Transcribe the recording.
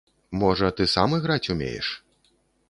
Можа ты сам іграць умееш?